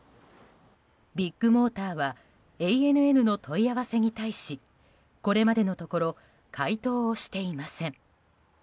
ビッグモーターはＡＮＮの問い合わせに対しこれまでのところ回答をしていません。